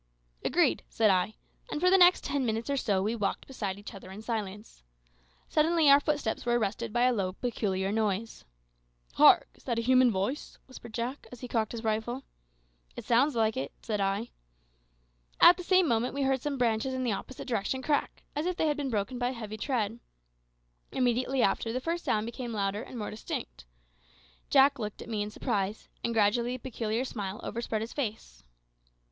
"Agreed," said I; and for the next ten minutes or so we walked beside each other in silence. Suddenly our footsteps were arrested by a low peculiar noise. "Hark! is that a human voice?" whispered Jack, as he cocked his rifle. "It sounds like it," said I. At the same moment we heard some branches in an opposite direction crack, as if they had been broken by a heavy tread. Immediately after, the first sound became louder and more distinct. Jack looked at me in surprise, and gradually a peculiar smile overspread his face.